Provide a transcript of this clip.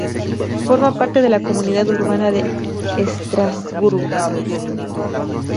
Forma parte de la Comunidad urbana de Estrasburgo.